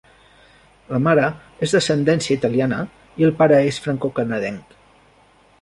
La mare és d'ascendència italiana i el pare és francocanadenc.